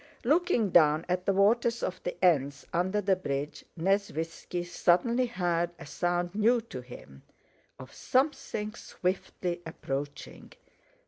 Looking down at the waters of the Enns under the bridge, Nesvítski suddenly heard a sound new to him, of something swiftly approaching...